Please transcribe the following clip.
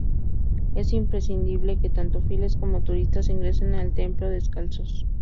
Es imprescindible que tanto fieles como turistas ingresen al templo descalzos.